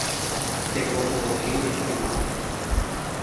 Tekombo'e rehegua.